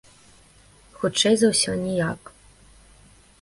Хутчэй за ўсё, ніяк.